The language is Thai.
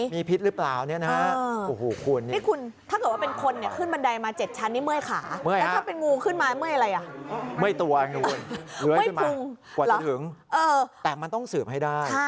มาสิ